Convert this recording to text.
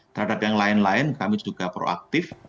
terhadap yang lain lain kami juga proaktif